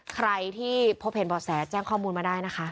ใครที่พบเห็นบ่อแสแจ้งข้อมูลมาได้นะคะ